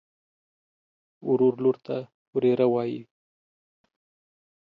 ورور لور ته وريره وايي.